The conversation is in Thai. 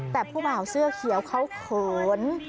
แต่ผู้บ่าวเสื้อเขียวเขาเขิน